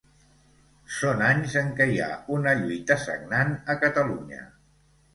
Són anys en què hi ha una lluita sagnant a Catalunya.